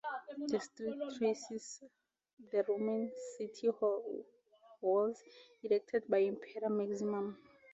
The street traces the Roman city walls erected by Emperor Maximian.